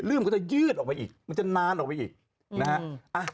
มันก็จะยืดออกไปอีกมันจะนานออกไปอีกนะฮะ